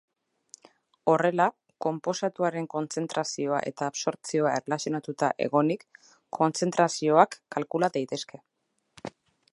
Horrela, konposatuaren kontzentrazioa eta absortzioa erlazionatuta egonik, kontzentrazioak kalkula daitezke.